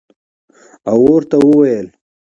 او ورته ووېل